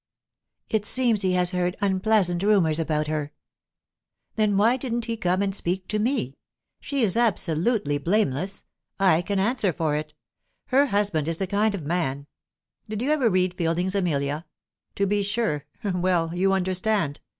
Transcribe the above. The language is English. "It seems he has heard unpleasant rumours about her." "Then why didn't he come and speak to me? She is absolutely blameless: I can answer for it. Her husband is the kind of man Did you ever read Fielding's 'Amelia'? To be sure; well, you understand.